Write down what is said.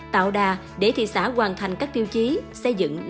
tạo đà để thị xã hoàn thành các tiêu chí xây dựng nông trường